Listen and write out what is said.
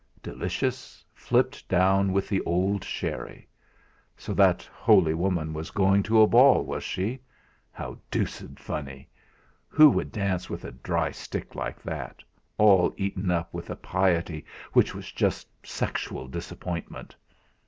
Delicious, flipped down with the old sherry! So that holy woman was going to a ball, was she! How deuced funny! Who would dance with a dry stick like that, all eaten up with a piety which was just sexual disappointment?